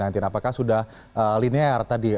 apakah sudah linear tadi